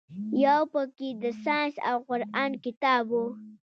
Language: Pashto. يو پکښې د ساينس او قران کتاب و.